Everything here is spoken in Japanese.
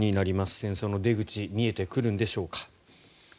戦争の出口見えてくるんでしょうか。